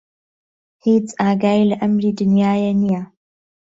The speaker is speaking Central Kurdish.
هیچ ئاگای له عەمری دنیایه نییه